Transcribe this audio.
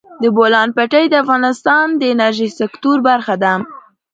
د بولان پټي د افغانستان د انرژۍ سکتور برخه ده.